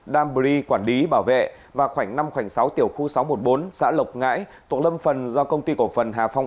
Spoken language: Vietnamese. danbri quản lý bảo vệ và khoảnh năm sáu tiểu khu sáu trăm một mươi bốn xã lộc ngãi tổng lâm phần do công ty cổ phần hà phong